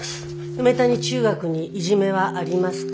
梅谷中学にいじめはありますか？